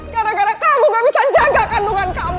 gara gara kamu gak bisa jaga kandungan kamu